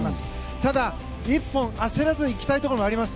ただ、一本、焦らずにいきたいところもあります。